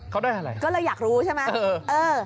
เขาได้อะไรก็เลยอยากรู้ใช่ไหม